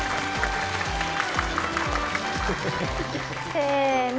せの。